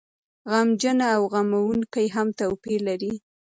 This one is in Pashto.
غمجنه او غموونکې هم توپير لري.